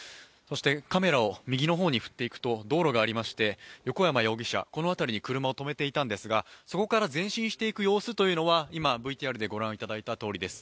カメラを右の方へ振っていくと道路がありまして横山容疑者、この辺りに車を止めていたんですがそこから前進していく様子は今ＶＴＲで御覧いただいたとおりです。